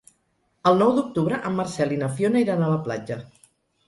El nou d'octubre en Marcel i na Fiona iran a la platja.